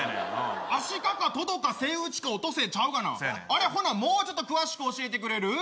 アシカかトドかセイウチかオットセイちゃうがなあれほなもうちょっと詳しく教えてくれる？